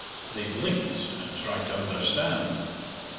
They blinked and tried to understand.